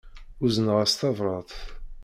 Uzneɣ-as tabrat.